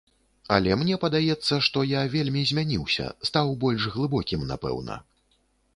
Але мне падаецца, што я вельмі змяніўся, стаў больш глыбокім, напэўна.